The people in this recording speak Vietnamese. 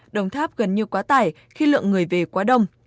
đồng tháp gần như quá tải khi lượng người về quá đông